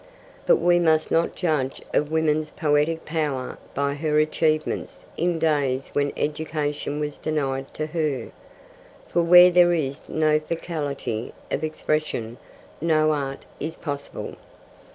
But we must not judge of woman's poetic power by her achievements in days when education was denied to her, for where there is no faculty of expression no art is possible.